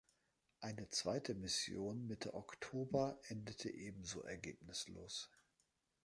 Eine zweite Mission Mitte Oktober endete ebenso ergebnislos.